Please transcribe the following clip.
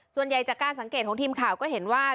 ส่วนใหญ่จากการสังเกตของทีมข่าวก็เห็นว่า